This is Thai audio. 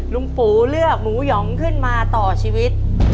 ลุงปู่เลือกหมูหยองขึ้นมาต่อชีวิต